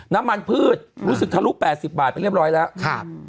น้ำมันพืชรู้สึกทะลุ๘๐บาทไปเรียบร้อยแล้วครับ